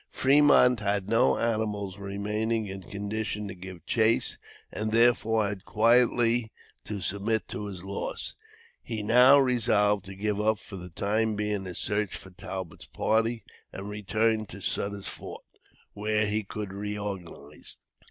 Fremont had no animals remaining in condition to give chase, and therefore had quietly to submit to his loss. He now resolved to give up for the time being his search for Talbot's party and return to Sutter's Fort, where he could reorganize.